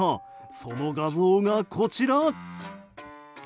その画像がこちら。